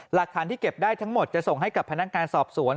หลักฐานที่เก็บได้ทั้งหมดจะส่งให้กับพนักงานสอบสวน